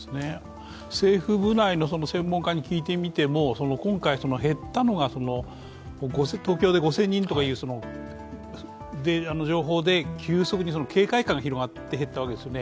政府部内の専門家に聞いてみても、今回減ったのが東京で５０００人とかいう情報で警戒感が広がって減ったわけですよね。